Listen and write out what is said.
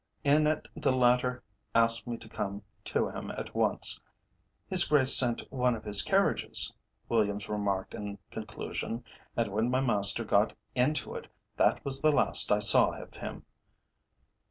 In it the latter asked me to come to him at once. "His Grace sent one of his carriages," Williams remarked in conclusion, "and when my master got into it, that was the last I saw of him."